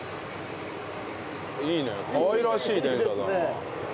いいねかわいらしい電車だな。